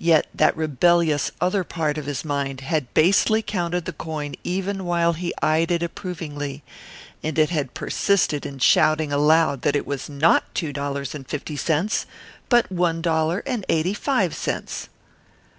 Yet that rebellious other part of his mind had basely counted the coin even while he eyed it approvingly, and it had persisted in shouting aloud that it was not two dollars and fifty cents but one dollar and eighty five cents.